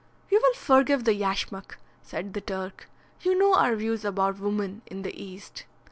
"You will forgive the yashmak," said the Turk. "You know our views about woman in the East."